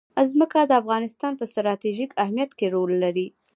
ځمکه د افغانستان په ستراتیژیک اهمیت کې رول لري.